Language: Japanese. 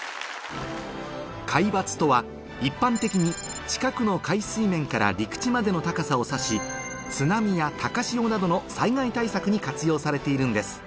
海抜とは一般的に近くの海水面から陸地までの高さを指し津波や高潮などの災害対策に活用されているんです